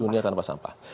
dunia tanpa sampah